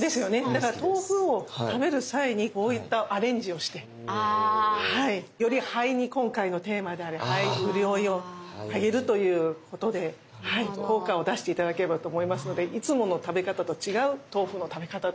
だから豆腐を食べる際にこういったアレンジをしてより肺に今回のテーマである肺にうるおいをあげるということで効果を出して頂ければと思いますのでいつもの食べ方と違う豆腐の食べ方ということで。